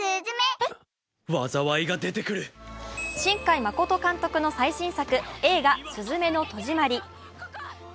新海誠監督の最新作映画「すずめの戸締まり」。